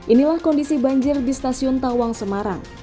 inilah kondisi banjir di stasiun tawang semarang